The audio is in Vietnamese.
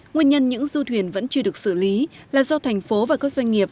nguyên nhân những du thuyền vẫn chưa được xử lý là do thành phố và các doanh nghiệp